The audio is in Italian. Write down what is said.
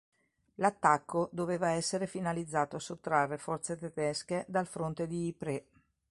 L'attacco, doveva essere finalizzato a sottrarre forze tedesche dal fronte di Ypres.